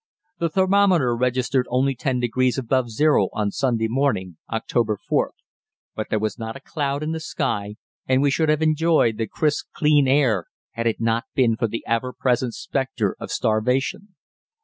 The thermometer registered only 10 degrees above zero on Sunday morning (October 4th), but there was not a cloud in the sky, and we should have enjoyed the crisp, clear air had it not been for the ever present spectre of starvation.